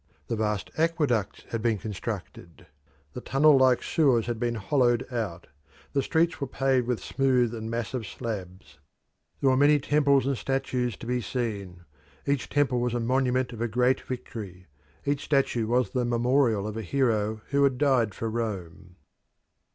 The vast aqueducts had been constructed; the tunnel like sewers had been hollowed out; the streets were paved with smooth and massive slabs. There were many temples and statues to be seen; each temple was the monument of a great victory; each statue was the memorial of a hero who had died for Rome.